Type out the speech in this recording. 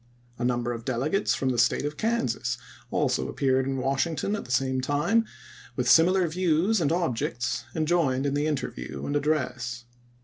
A number of delegates from the State of Kansas also appeared in Wash ington at the same time with similar views and objects, and joined in the interview and address.